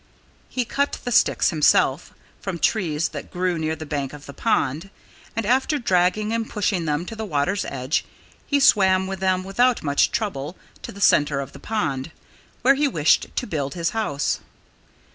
He cut the sticks himself, from trees that grew near the bank of the pond; and after dragging and pushing them to the water's edge he swam with them, without much trouble, to the center of the pond, where he wished to build his house.